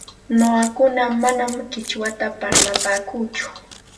Nuqaku manam qichwata parlapaakuuchu,